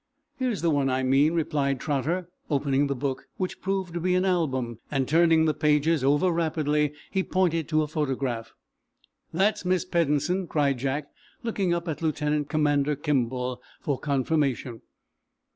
"Here's the one I mean," replied Trotter, opening the book, which proved to be an album, and turning the pages over rapidly. He pointed to a photograph. "That's Miss Peddensen," cried Jack, looking up at Lieutenant Commander Kimball for confirmation.